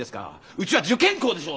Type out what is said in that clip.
うちは受験校でしょう。